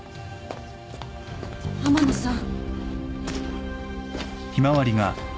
天野さん。